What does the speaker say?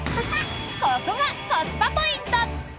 ここがコスパポイント！